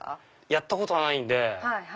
やったことはないんで。